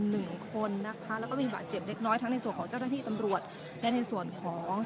มีผู้ที่ได้รับบาดเจ็บและถูกนำตัวส่งโรงพยาบาลเป็นผู้หญิงวัยกลางคน